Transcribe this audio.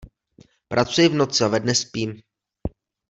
Pracuji v noci a ve dne spím.